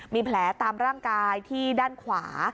มีแผลตามร่างกายที่ด้านขวา